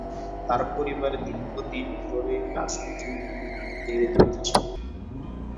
তাঁর পরিবার দীর্ঘদিন ধরে রাজনীতিতে জড়িত ছিল।